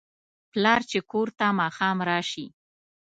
پلار چې کور ته ماښام راشي